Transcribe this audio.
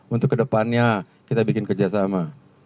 untuk kedepannya kita bikin kerjasama